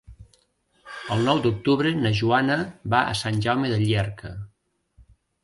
El nou d'octubre na Joana va a Sant Jaume de Llierca.